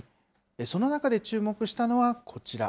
その中で注目したのはこちら。